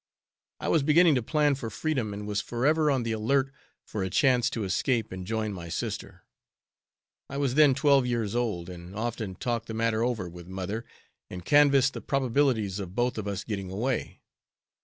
I was beginning to plan for freedom, and was forever on the alert for a chance to escape and join my sister. I was then twelve years old, and often talked the matter over with mother and canvassed the probabilities of both of us getting away.